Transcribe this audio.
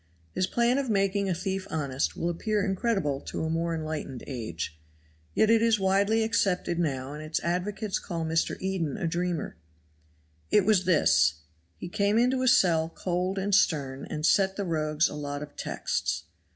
His plan of making a thief honest will appear incredible to a more enlightened age; yet it is widely accepted now and its advocates call Mr. Eden a dreamer. It was this: He came into a cell cold and stern and set the rogues a lot of texts.